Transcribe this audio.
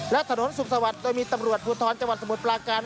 และถนนสุขสวัสดิ์โดยมีตำรวจภูทรจังหวัดสมุทรปลาการ